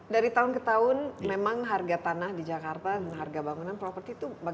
dari tahun ke tahun memang harga tanah di jakarta dan harga bangunan properti itu bagus